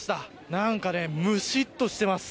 なんか、むしっとしています。